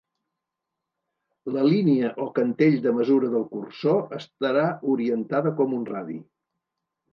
La línia o cantell de mesura del cursor estarà orientada com un radi.